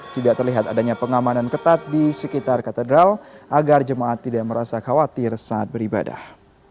tidak terlihat adanya pengamanan ketat di sekitar katedral agar jemaat tidak merasa khawatir saat beribadah